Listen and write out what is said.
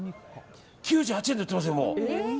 ９８円で売ってますよ！